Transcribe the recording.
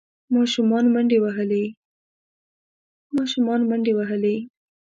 ماشومان منډې وهلې.